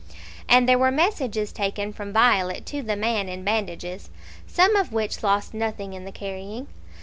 And there were messages taken from Violet to the man in bandages, some of which lost nothing in the carrying.